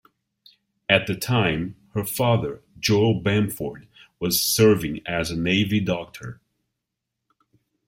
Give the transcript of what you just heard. At the time, her father, Joel Bamford, was serving as a Navy doctor.